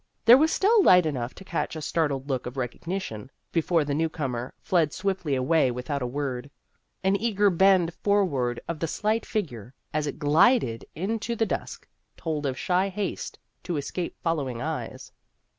There was still light enough to catch a startled look of recognition, be fore the newcomer fled swiftly away without a word. An eager bend forward of the slight figure, as it glided into the dusk, told of shy haste to escape follow ing eyes.